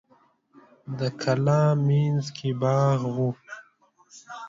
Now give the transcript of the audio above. د کلا مینځ کې باغ و.